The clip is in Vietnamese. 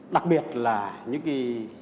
đặc biệt là những cái